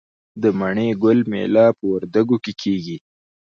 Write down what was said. د مڼې ګل میله په وردګو کې کیږي.